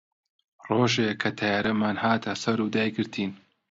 ڕۆژێ کە تەیارەمان هاتە سەر و دایگرتین